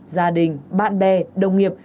gia đình bạn bè đồng nghiệp